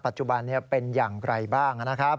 ปัจจุบันนี้เป็นอย่างไรบ้างนะครับ